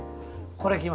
これ。